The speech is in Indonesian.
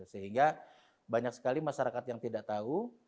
sehingga banyak sekali masyarakat yang tidak tahu